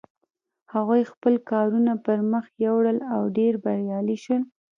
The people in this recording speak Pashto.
هغوی خپل کارونه پر مخ یوړل او ډېر بریالي شول.